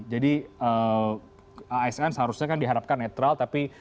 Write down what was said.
jadi asn seharusnya kan diharapkan netral